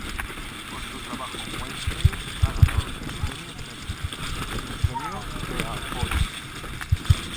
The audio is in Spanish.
Por su trabajo, Weinstein ha ganado tres premios Emmy y un premio Peabody.